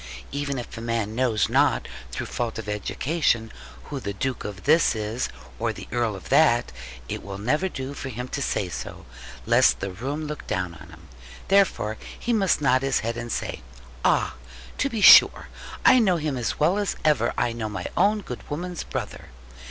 Even if a man knows not, through fault of education, who the Duke of this is, or the Earl of that, it will never do for him to say so, lest the room look down on him. Therefore he must nod his head, and say, 'Ah, to be sure! I know him as well as ever I know my own good woman's brother.